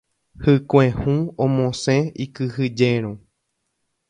Hykue hũ omosẽ ikyhyjérõ.